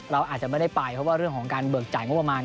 เราอาจจะไม่ได้ไปเพราะว่าเรื่องของการเบิกจ่ายงบประมาณ